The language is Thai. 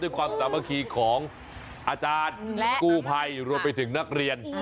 ด้วยความสามารถขี้ของอาจารย์กู้ไพรรวมไปถึงนักเรียน